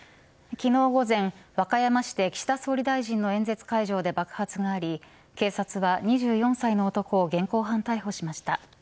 昨日午前、和歌山市で岸田総理大臣の演説会場で爆発があり警察は２４歳の男を現行犯逮捕しました。